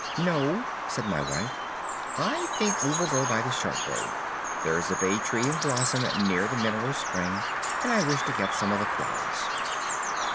"No," said my wife, "I think we will go by the short road. There is a bay tree in blossom near the mineral spring, and I wish to get some of the flowers."